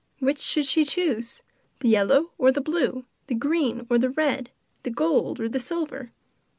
Which should she choose, the yellow or the blue, the red or the green, the gold or the silver?